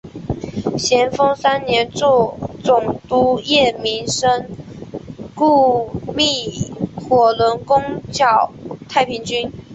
咸丰三年助总督叶名琛雇觅火轮攻剿太平军。